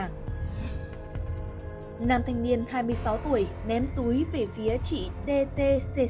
năm thành niên hai mươi sáu tuổi ném túi về phía chị dtcc